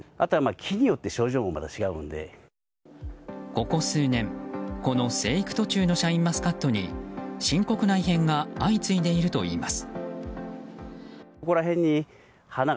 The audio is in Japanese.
ここ数年、この生育途中のシャインマスカットに深刻な異変が相次いでいるといいます。